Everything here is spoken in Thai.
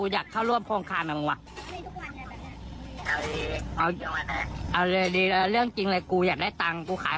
ยังไงยังไง